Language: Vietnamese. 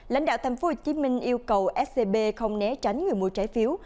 lãnh đạo tp hcm yêu cầu scb không né tránh người mua trái phiếu